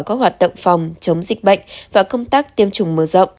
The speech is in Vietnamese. các hoạt động phòng chống dịch bệnh và công tác tiêm chủng mở rộng